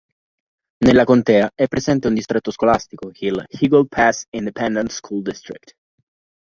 Nella contea è presente un distretto scolastico, il Eagle Pass Independent School District.